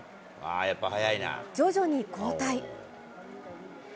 徐々に後退。